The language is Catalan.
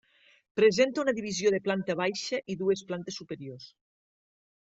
Presenta una divisió de planta baixa, i dues plantes superiors.